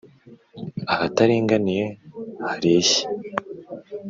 Ahataringaniye hareshye